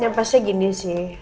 yang pasti gini sih